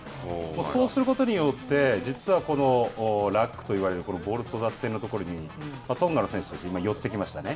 そうすることによって、実はこのラックと言われるボール争奪戦のところにトンガの選手たちは今寄ってきましたね。